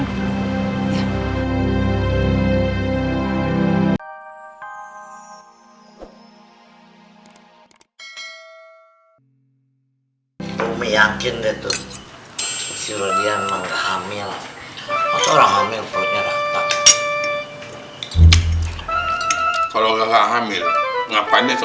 belum yakin itu siro dia menggambil orang hamil punya rata kalau gak hamil ngapain itu